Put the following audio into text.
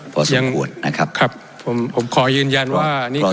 เพราะสมควรนะครับครับผมผมขอยืนยันว่านี่คือ